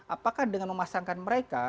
apakah dengan memasangkan mereka